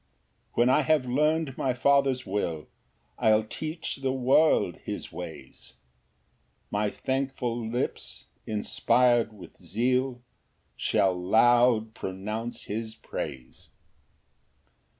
Ver. 27 121. 8 When I have learn'd my Father's will I'll teach the world his ways; My thankful lips inspir'd with zeal Shall loud pronounce his praise.